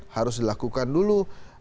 harus dilakukan dulu